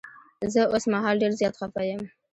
زه اوس مهال ډير زيات خفه یم.